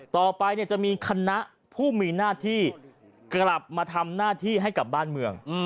ต่อไปจะมีคณะผู้มีหน้าที่กลับมาทำหน้าที่ให้กับบ้านเมือง